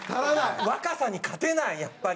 若さに勝てないやっぱり。